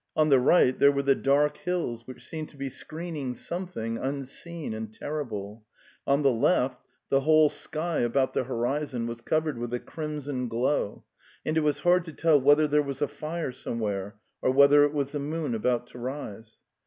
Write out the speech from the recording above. On the right there were the dark hills which seemed to be screening something unseen and terrible; on the left the whole sky about the horizon was covered with a crimson glow, and it was hard to tell whether there was a fire somewhere, or whether it was the moon about to rise.